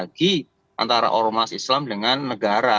apalagi antar ormas islam dengan negara